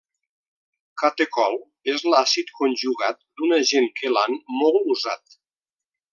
Catecol és l'àcid conjugat d'un agent quelant molt usat.